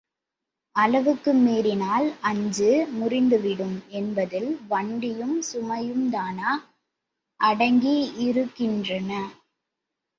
அளவுக்கு மீறினால் அச்சு முறிந்துவிடும் என்பதில் வண்டியும் சுமையும்தானா அடங்கியிருக்கின்றன.